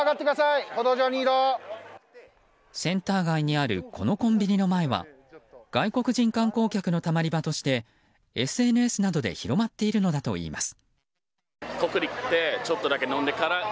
センター街にあるこのコンビニの前は外国人観光客のたまり場としてＳＮＳなどで広まっているのだといいます。